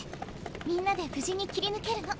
みんなで無事に切り抜けるの。